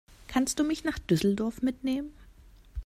Kannst du mich nach Düsseldorf mitnehmen?